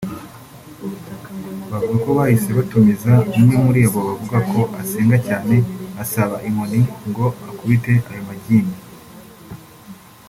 Bavuga ko bahise batumiza umwe muri bo bavuga ko asenga cyane asaba inkoni ngo akubite ayo magini